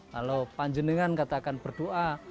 kalau panjeningan katakan berdoa